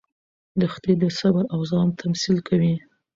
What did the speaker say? دښتې د صبر او زغم تمثیل کوي.